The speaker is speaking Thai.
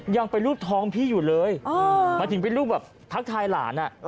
ยังไปรูปท้องพี่อยู่เลยหมายถึงเป็นรูปแบบทักทายหลาน